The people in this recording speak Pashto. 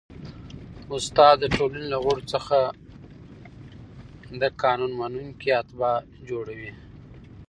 استاد د ټولني له غړو څخه د قانون منونکي اتباع جوړوي.